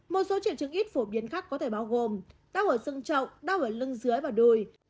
một số triệu trứng ít phổ biến khác có thể bao gồm đau ở dưng trọng đau ở lưng dưới và đùi